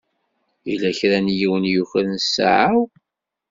Yella kra n yiwen i yukren ssaɛa-w.